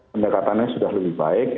pendekatannya sudah lebih baik